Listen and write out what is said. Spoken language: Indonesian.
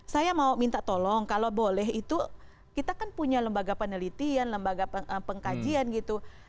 saya mau minta tolong kalau boleh itu kita kan punya lembaga penelitian lembaga pengkajian gitu